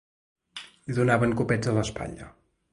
Li donaven copets a l'espatlla